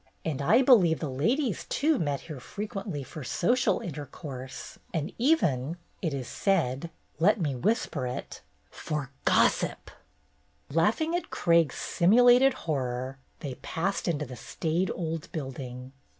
And I believe the ladies, too, met here frequently for social intercourse. 248 BETTY BAIRD'S GOLDEN YEAR and even, it is said — let me whisper it — for gossip Laughing at Craig's simulated horror, they passed into the staid old building.